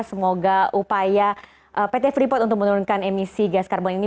semoga upaya pt freeport untuk menurunkan emisi gas karbon ini